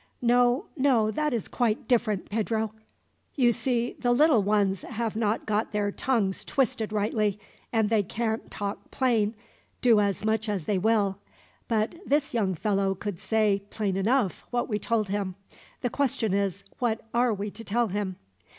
"No, no, that is quite different, Pedro. You see the little ones have not got their tongues twisted rightly, and they can't talk plain, do as much as they will; but this young fellow could say, plain enough, what we told him. The question is, what are we to tell him?